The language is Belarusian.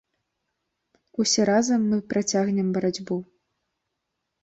Усе разам, мы працягнем барацьбу.